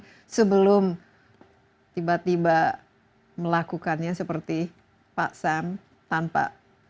apa yang paling penting sebelum tiba tiba melakukannya seperti pak san tanpa